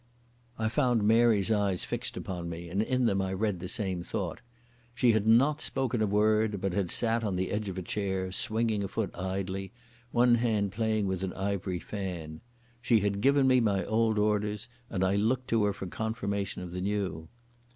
I found Mary's eyes fixed upon me, and in them I read the same thought. She had not spoken a word, but had sat on the edge of a chair, swinging a foot idly, one hand playing with an ivory fan. She had given me my old orders and I looked to her for confirmation of the new.